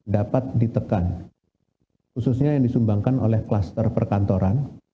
dapat ditekan khususnya yang disumbangkan oleh kluster perkantoran